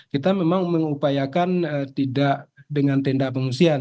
kita memang mengupayakan tidak dengan tenda pengungsian